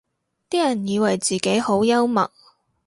啲人以為自己好幽默